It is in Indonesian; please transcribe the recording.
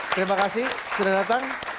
terima kasih selamat datang